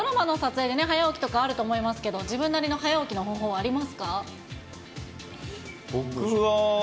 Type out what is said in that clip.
林さん、仲野さん、ドラマの撮影で、早起きとかあると思いますけど、自分なりの早起きの方法はありますか？